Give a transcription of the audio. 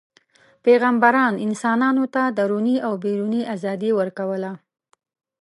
پیغمبران انسانانو ته دروني او بیروني ازادي ورکوله.